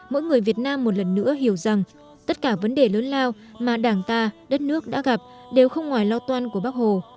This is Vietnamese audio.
mỗi người việt nam một lần nữa hiểu rằng tất cả vấn đề lớn lao mà đảng ta đất nước đã gặp đều không ngoài lo toan của bác hồ